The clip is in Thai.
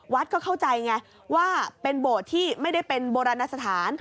ก็เข้าใจไงว่าเป็นโบสถ์ที่ไม่ได้เป็นโบราณสถาน